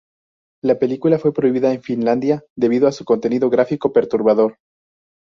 La película fue prohibida en Finlandia debido a su contenido gráfico perturbador.